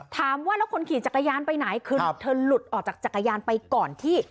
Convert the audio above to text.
ถามว่าแล้วคนขี่จักรยานไปไหนคือเธอหลุดออกจากจักรยานไปก่อนที่